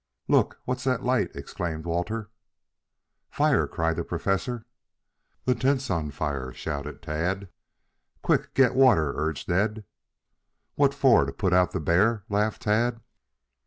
"Look! What's that light?" exclaimed Walter. "Fire!" cried the Professor. "The tent's on fire!" shouted Tad. "Quick, get water!" urged Ned. "What for? To put out the bear?" laughed Tad.